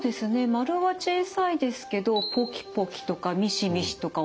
丸は小さいですけど「ポキポキ」とか「ミシミシ」とか「音が鳴る」